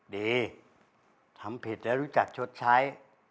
ดีทำผิดแล้วรู้จักชดใช้